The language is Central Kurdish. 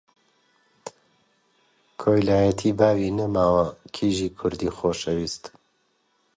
کۆیلەتی باوی نەماوە، کیژی کوردی خۆشەویست!